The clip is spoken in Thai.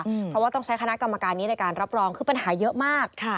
เพราะว่าต้องใช้คณะกรรมการนี้ในการรับรองคือปัญหาเยอะมากค่ะ